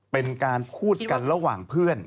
เป็นการพูดกันระหว่างเพื่อน